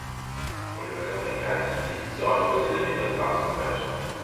Pour les valeurs récréatives il sera choisi la méthode par sondage.